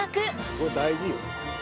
これ大事よ。